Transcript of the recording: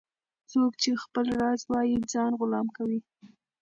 - څوک چي خپل راز وایې ځان غلام کوي.